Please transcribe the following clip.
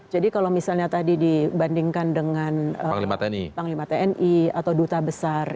jadi kalau misalnya tadi dibandingkan dengan panglima tni atau duta besar